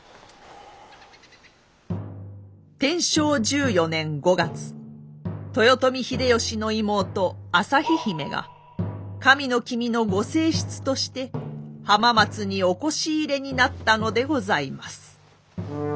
天正１４年５月豊臣秀吉の妹旭姫が神の君のご正室として浜松におこし入れになったのでございます。